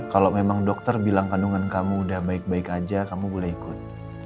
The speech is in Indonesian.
kalau memang dokter bilang kandungan kamu udah baik baik aja kamu boleh ikut